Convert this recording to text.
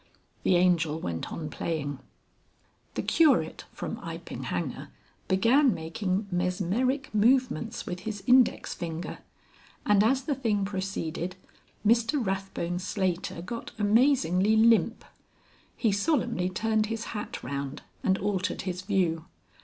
The Angel went on playing. The Curate from Iping Hanger began making mesmeric movements with his index finger, and as the thing proceeded Mr Rathbone Slater got amazingly limp. He solemnly turned his hat round and altered his view.